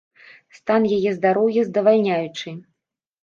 Стан яе здароўя здавальняючы.